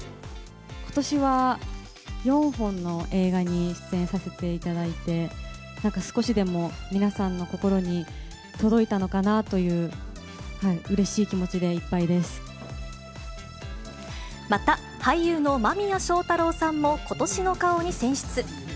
ことしは４本の映画に出演させていただいて、なんか少しでも皆さんの心に届いたのかなという、うれしい気持ちまた、俳優の間宮祥太朗さんも、今年の顔に選出。